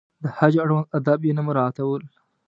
د حج اړوند آداب یې نه مراعاتول.